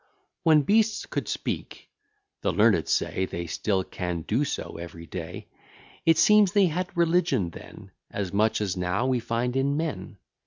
When beasts could speak, (the learned say They still can do so every day,) It seems, they had religion then, As much as now we find in men.